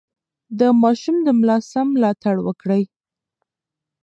د ماشوم د ملا سم ملاتړ وکړئ.